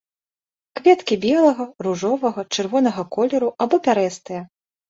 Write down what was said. Кветкі белага, ружовага, чырвонага колеру або пярэстыя.